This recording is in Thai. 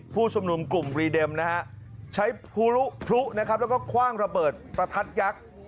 ผู้ชุมนุมกลุ่มวีเด็มใช้ผลุและขว้างระเปิดประทัดยักษ์